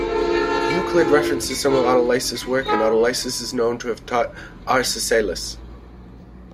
Euclid references some of Autolycus' work, and Autolycus is known to have taught Arcesilaus.